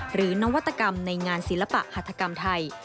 นวัตกรรมในงานศิลปะหัฐกรรมไทย